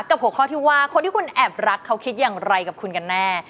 หัวข้อที่ว่าคนที่คุณแอบรักเขาคิดอย่างไรกับคุณกันแน่